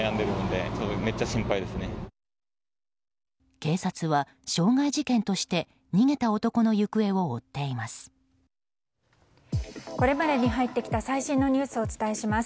警察は傷害事件として逃げた男の行方を追っています。